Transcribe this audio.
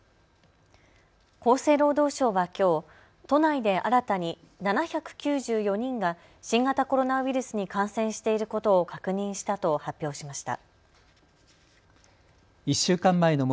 厚生労働省はきょう都内で新たに７９４人が新型コロナウイルスに感染していることを確認したと発表しました。